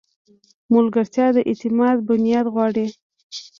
ملګرتیا د اعتماد بنیاد غواړي.